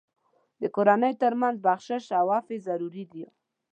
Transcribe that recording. د کورنۍ تر منځ بخشش او عفو ضروري دي.